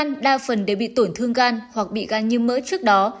bệnh nhân ung thư gan đa phần đều bị tổn thương gan hoặc bị gan như mỡ trước đó